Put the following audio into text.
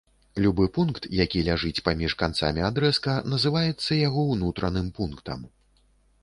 Любы пункт, які ляжыць паміж канцамі адрэзка, называецца яго ўнутраным пунктам.